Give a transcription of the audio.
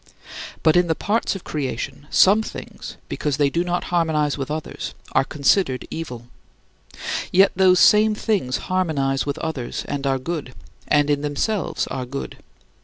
But in the parts of creation, some things, because they do not harmonize with others, are considered evil. Yet those same things harmonize with others and are good, and in themselves are good.